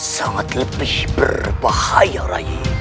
sangat lebih berbahaya rayi